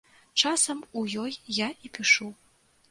Часам у ёй я і пішу.